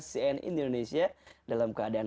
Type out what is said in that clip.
cnn indonesia dalam keadaan